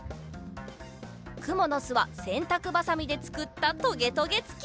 くものすはせんたくばさみでつくったとげとげつき！